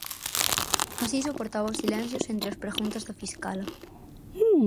Así soportaba os silencios entre as preguntas da fiscala.